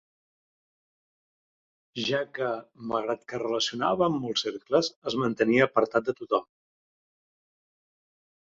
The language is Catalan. Ja que, malgrat que es relacionava amb molts cercles, es mantenia apartat de tothom.